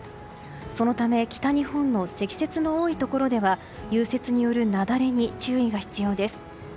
そのため北日本の積雪の多いところでは融雪による雪崩に注意が必要です。